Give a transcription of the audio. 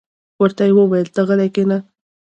ورته ویې ویل: ته غلې کېنه.